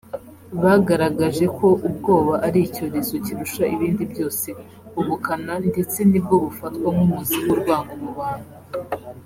bagaragaje ko ‘ubwoba ari icyorezo kirusha ibindi byose ubukana ndetse nibwo bufatwa nk’umuzi w’urwango mu bantu’